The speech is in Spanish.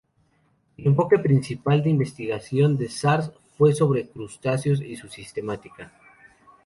El enfoque principal de investigación de Sars fue sobre crustáceos y su sistemática.